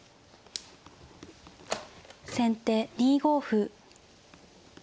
先手２五歩。